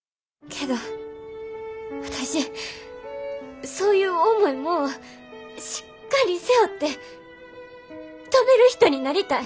けど私そういう重いもんをしっかり背負って飛べる人になりたい。